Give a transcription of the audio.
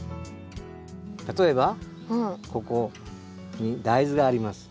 例えばここに大豆があります。